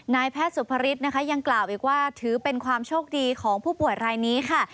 นายแพทย์สุภฤษนะคะยังกล่าวอีกว่าถือเป็นความโชคดีของผู้ป่วยรายนี้ค่ะ